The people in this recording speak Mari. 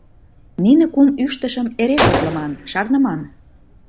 Нине кум ӱштышым эре шотлыман, шарныман.